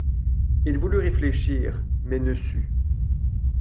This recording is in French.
Il voulut réfléchir, mais ne sut.